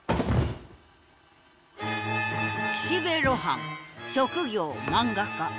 岸辺露伴職業漫画家。